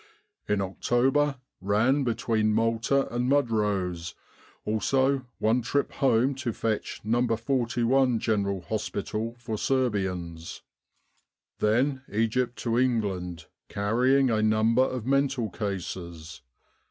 In October ran between Malta and Mudros, also one trip home to fetch No. 41 General Hospital for Serbians. Then Egypt to England, carrying a number of mental cases.